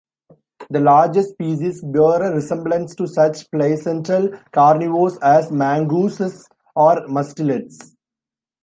The larger species bear a resemblance to such placental carnivores as mongooses or mustelids.